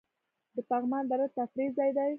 د پغمان دره د تفریح ځای دی